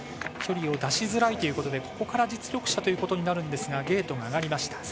距離を出しづらいということでここから実力者ということになるんですがゲートが上がりました。